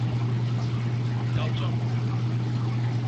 夠鐘